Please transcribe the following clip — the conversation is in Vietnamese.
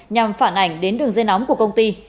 nhằm phản ảnh đến đường dây nóng của công ty